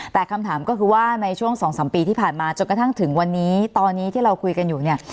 แต่คำถามก็คือว่าในช่วง๒๓ปีที่ผ่านมาจนกระทั่งถึงวันนี้ตอนนี้ที่เราคุยกันอยู่เนี่ย